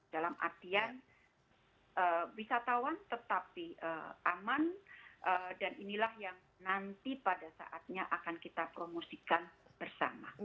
dalam artian wisatawan tetapi aman dan inilah yang nanti pada saatnya akan kita promosikan bersama